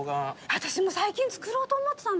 私も最近作ろうと思ってたの。